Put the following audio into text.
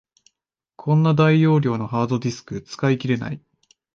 こんな大容量のハードディスク、使い切れない